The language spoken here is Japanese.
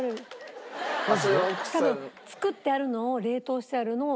多分作ってあるのを冷凍してあるのを。